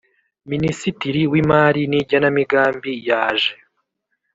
Minisitiri w Imari n Igenamigambi yaje